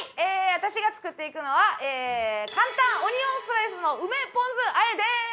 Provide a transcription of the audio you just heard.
私が作っていくのは簡単オニオンスライスの梅ポン酢あえでーす！